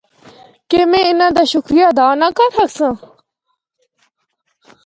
کہ میں اناں دا شکریہ ادا نہ کر ہکساں۔